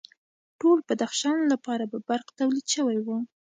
ټول بدخشان لپاره به برق تولید شوی و